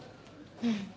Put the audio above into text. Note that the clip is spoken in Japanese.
うん。